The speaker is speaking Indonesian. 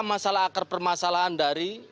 masalah akar permasalahan dari